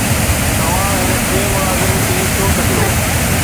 توهان هن ٽئين ملازم کي ڇو ڪڍيو؟